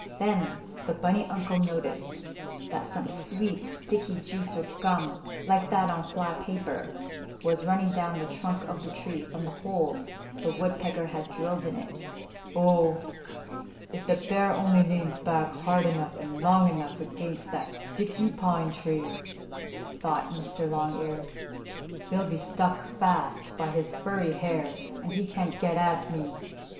Then the bunny uncle noticed that some sweet, sticky juice or gum, like that on fly paper, was running down the trunk of the tree from the holes the woodpecker had drilled in it. "Oh, if the bear only leans back hard enough and long enough against that sticky pine tree," thought Mr. Longears, "he'll be stuck fast by his furry hair and he can't get me.